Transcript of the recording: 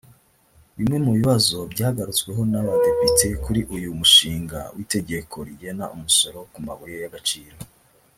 Bimwe mu bibazo byagarutsweho n’Abadepite kuri uyu mushinga w’itegeko rigena umusoro ku mabuye y’agaciro